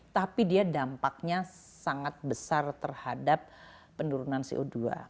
tapi dia dampaknya sangat besar terhadap penurunan co dua